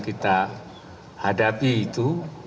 kita hadapi itu